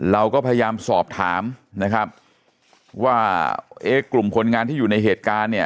เราก็พยายามสอบถามนะครับว่าเอ๊ะกลุ่มคนงานที่อยู่ในเหตุการณ์เนี่ย